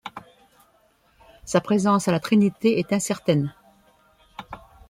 Sa présence à la Trinité est incertaine.